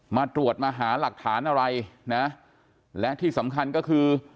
มาตรวจมาหาหลักฐานอะไรนะและที่สำคัญก็คือ